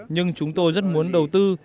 nhưng chúng tôi rất muốn đầu tư